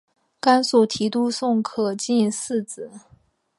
甘肃提督宋可进嗣子。